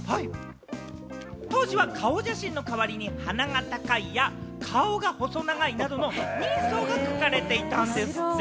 当時は顔写真の代わりに、鼻が高いや、顔が細長いなどの人相が書かれていたんですって！